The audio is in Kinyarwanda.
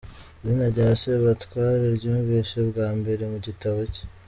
Izina rya Sebatware ryumvise bwa mbere mu gitabo cye !